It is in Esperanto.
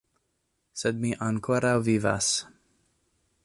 Sed mi ankoraŭ vivas.